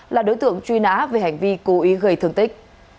là đối tượng truy nã về hành vi cố ý gây thương tích